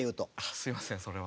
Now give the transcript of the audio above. すいませんそれは。